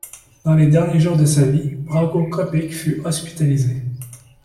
Dans les derniers jours de sa vie, Branko Ćopić fut hospitalisé.